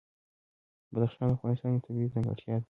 بدخشان د افغانستان یوه طبیعي ځانګړتیا ده.